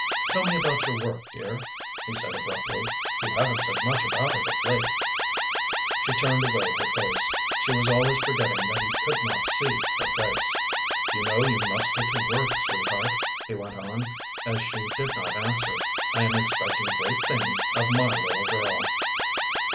"Tell me about your work, dear," he said abruptly. "You haven't said much about it of late." She turned away her face. She was always forgetting that he could not see her face. "You know you must get to work, sweetheart," he went on as she did not answer. "I am expecting great things of my little girl."